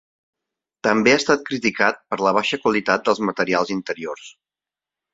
També ha estat criticat per la baixa qualitat dels materials interiors.